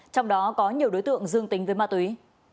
trong đó có nhiều đối tượng dương tính với ma túy